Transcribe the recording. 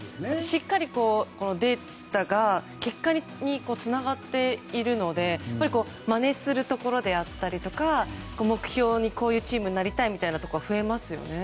しっかりデータが結果につながっているのでまねするところであったり目標にする、こういうチームになりたいというチームも増えますよね。